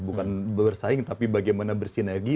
bukan bersaing tapi bagaimana bersinergi